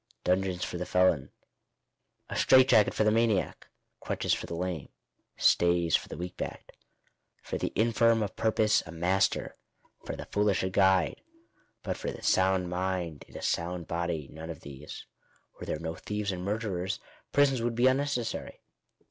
Dungeons for the felon; a • strait jacket for the maniac ; crutches for the lame ; stayB for the weak backed ; for the infirm of purpose a master ; for the foolish a guide ; but for the sound mind, in a sound body, none of these. Were there no thieves and murderers, prisons would be unnecessary.